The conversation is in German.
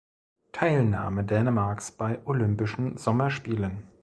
Teilnahme Dänemarks bei Olympischen Sommerspielen.